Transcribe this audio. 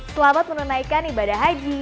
selamat menunaikan ibadah haji